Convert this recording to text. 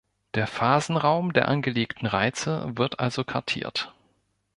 Der Phasenraum der angelegten Reize wird also kartiert.